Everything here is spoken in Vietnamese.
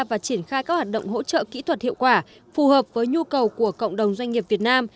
và triển khai các hoạt động hỗ trợ kỹ thuật hiệu quả phù hợp với nhu cầu của cộng đồng doanh nghiệp việt nam